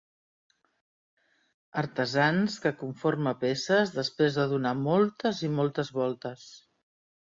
Artesans que conforma peces després de donar moltes i moltes voltes.